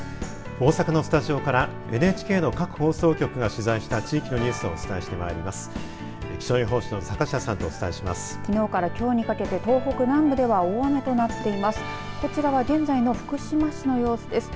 大阪のスタジオからＮＨＫの各放送局が取材した地域のニュースをお伝えしてまいります。